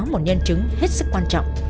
một nhân chứng hết sức quan trọng